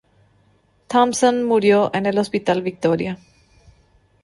Thomson murió en el Hospital Victoria.